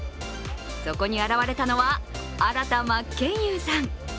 そこに現れたのは新田真剣佑さん。